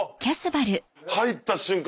入った瞬間